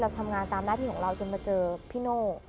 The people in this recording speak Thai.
ทำงานตามหน้าที่ของเราจนมาเจอพี่โน่